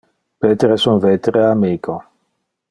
Peter es un vetere amico.